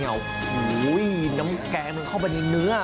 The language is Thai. โอ้โหน้ำแกงมันเข้าไปในเนื้อ